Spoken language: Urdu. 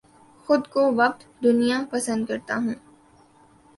خود کو وقت دنیا پسند کرتا ہوں